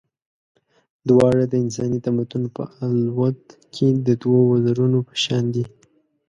دواړه د انساني تمدن په الوت کې د دوو وزرونو په شان دي.